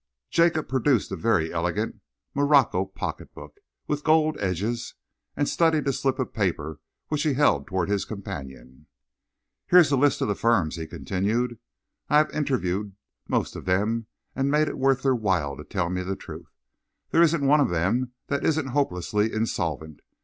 Jacob produced a very elegant morocco pocketbook, with gold edges, and studied a slip of paper which he held towards his companion. "Here is a list of the firms," he continued. "I have interviewed most of them and made it worth their while to tell me the truth. There isn't one of them that isn't hopelessly insolvent.